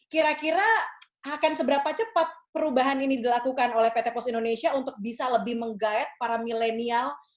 kira kira akan seberapa cepat perubahan ini dilakukan oleh pt pos indonesia untuk bisa lebih menggayat para milenial